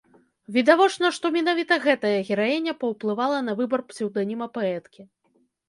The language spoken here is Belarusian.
Відавочна, што менавіта гэтая гераіня паўплывала на выбар псеўданіма паэткі.